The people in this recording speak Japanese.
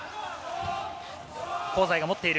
香西が持っている。